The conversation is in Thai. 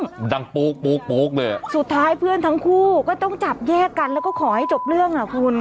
มันดังโป๊กปู๊กเลยอ่ะสุดท้ายเพื่อนทั้งคู่ก็ต้องจับแยกกันแล้วก็ขอให้จบเรื่องอ่ะคุณ